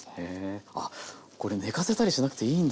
あっこれ寝かせたりしなくていいんだ。